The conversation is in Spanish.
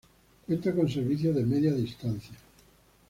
Cuenta con servicios de Media Distancia.